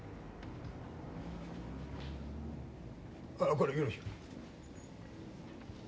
これよろしく。